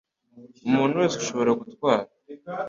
Umuntu wese ashobora gutwara?